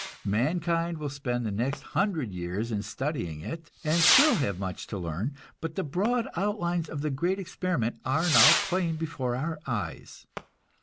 Mankind will spend the next hundred years in studying it, and still have much to learn, but the broad outlines of the great experiment are now plain before our eyes.